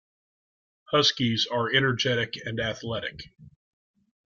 Huskies are energetic and athletic.